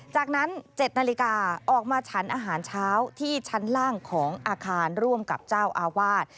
จากนั้น๗นาฬิกาออกมาฉันอาหารเช้าที่ชั้นล่างของอาคารร่วมกับเจ้าอาวาส